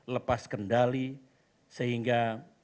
lepas kendali sehingga